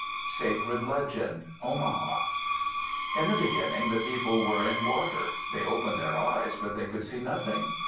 SACRED LEGEND Omaha In the beginning the people were in water. They opened their eyes, but they could see nothing.